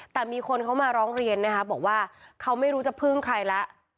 แต่มีคนเขามาร้องเรียนนะคะบอกว่าเขาไม่รู้จะพึ่งใครแล้ว